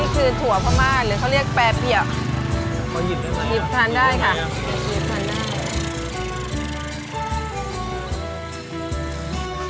นี่คือถั่วภม่าหรือเขาเรียกแปรเพียบ